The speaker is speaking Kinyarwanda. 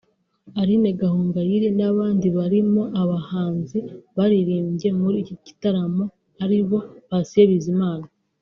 Aline Gahongayire n'abandi barimo abahanzi baririmbye muri iki gitaramo ari bo Patient Bizimana